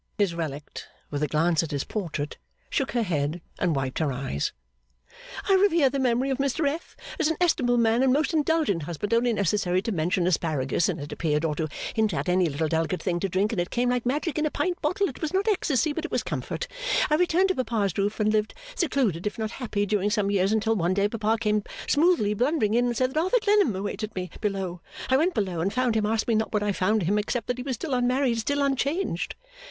His relict, with a glance at his portrait, shook her head and wiped her eyes. 'I revere the memory of Mr F. as an estimable man and most indulgent husband, only necessary to mention Asparagus and it appeared or to hint at any little delicate thing to drink and it came like magic in a pint bottle it was not ecstasy but it was comfort, I returned to papa's roof and lived secluded if not happy during some years until one day papa came smoothly blundering in and said that Arthur Clennam awaited me below, I went below and found him ask me not what I found him except that he was still unmarried still unchanged!